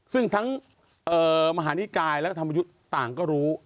ซึ่งทั้งมหานิกายและธรรมยุทธ์ต่างก็รู้